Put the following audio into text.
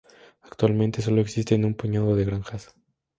Actualmente sólo existen un puñado de granjas.